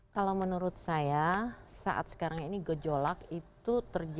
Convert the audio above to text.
kalau menurut saya saat sekarang ini gejolak itu terjadi